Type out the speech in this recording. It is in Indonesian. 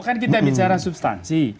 kan kita bicara substansi